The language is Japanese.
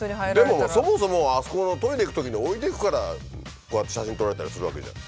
でもそもそもあそこのトイレ行くときに置いていくからこうやって写真撮られたりするわけじゃん。